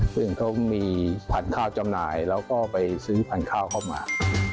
ซึ่งเขามีผัดข้าวจำหน่ายแล้วก็ไปซื้อพันธุ์ข้าวเข้ามา